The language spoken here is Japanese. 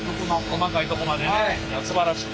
細かいとこまでねすばらしい！